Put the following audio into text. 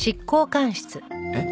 えっ？